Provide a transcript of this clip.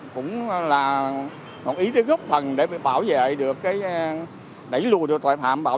cũng là một ý tư gốc thần để bảo vệ được cái đẩy lùi được tội phạm